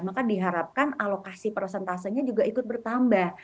maka diharapkan alokasi prosentasenya juga ikut bertambah